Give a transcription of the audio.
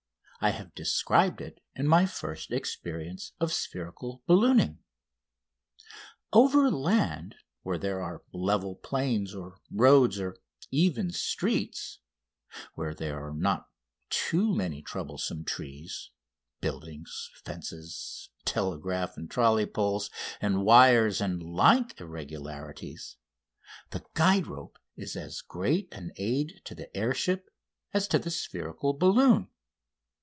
I have described it in my first experience of spherical ballooning. Overland, where there are level plains or roads or even streets, where there are not too many troublesome trees, buildings, fences, telegraph and trolley poles and wires and like irregularities, the guide rope is as great an aid to the air ship as to the spherical balloon.